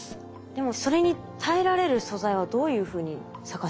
でもそれに耐えられる素材はどういうふうに探すんですか？